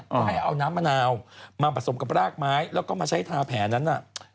ก็ให้เอาน้ำมะนาวมาผสมกับรากไม้แล้วก็มาใช้ทาแผลนั้นน่ะ